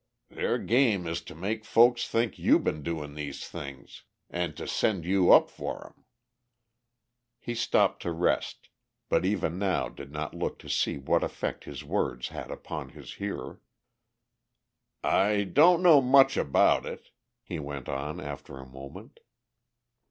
Their game is to make folks think you been doing these things, and to send you up for 'em." He stopped to rest, but even now did not look to see what effect his words had upon his hearer. "I don't know much about it," he went on after a moment.